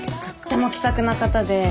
とっても気さくな方で。